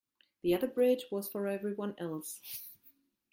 The other bridge was for everyone else.